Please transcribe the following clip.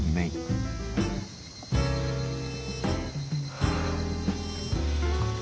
はあ。